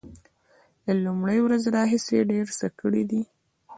له لومړۍ ورځې راهیسې ډیر څه کړي دي